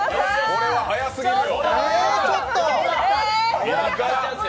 これは早すぎるよ。